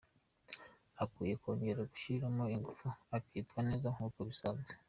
Akwiye kongera gushyiramo ingufu akitwara neza nkuko bisanzwe“.